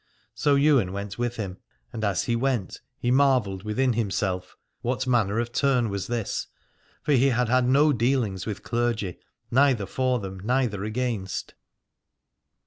So Ywain went with him, and as he went he marvelled within himself what manner of 303 Aladore turn was this, for he had had no deahngs with clergy, neither for them neither against.